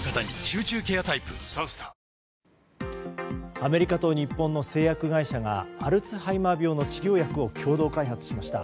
アメリカと日本の製薬会社がアルツハイマー病の治療薬を共同開発しました。